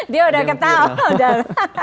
dia sudah ketahuan